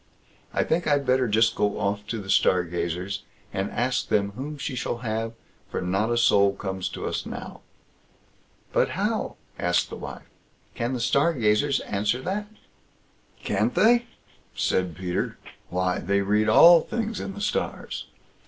I think I'd better just go off to the Stargazers, and ask them whom she shall have, for not a soul comes to us now." "But how", asked the wife, "can the Stargazers answer that?" "Can't they?" said Peter; "why! they read all things in the stars."